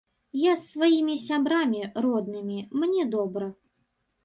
Я з сваімі сябрамі, роднымі, мне добра.